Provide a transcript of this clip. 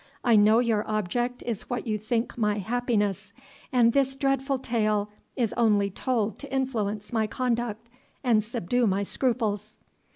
I know your object is what you think my happiness, and this dreadful tale is only told to influence my conduct and subdue my scruples."